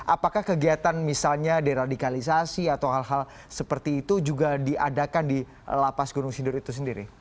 apakah kegiatan misalnya deradikalisasi atau hal hal seperti itu juga diadakan di lapas gunung sindur itu sendiri